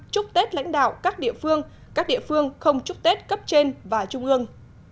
chúc tết lãnh đạo các địa phương các địa phương không chúc tết cấp trên và trung ương